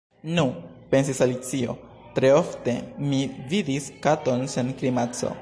"Nu," pensis Alicio, "tre ofte mi vidis katon sen grimaco.